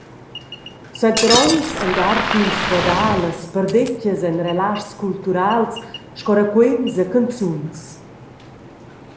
Suenter onns engartan ins podà las perdetgas en relaschs culturals sco raquens e canzuns.